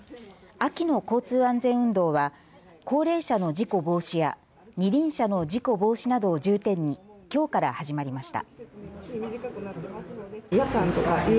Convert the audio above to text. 秋の交通安全運動は高齢者の事故防止や二輪車の事故防止などを重点にきょうから始まりました。